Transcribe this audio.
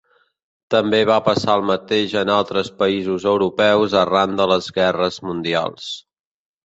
També va passar el mateix en altres països europeus arran de les guerres mundials.